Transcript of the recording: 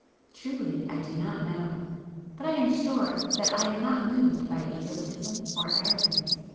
Truly, I do not know. But I am sure that I am not moved by egotism or arrogance.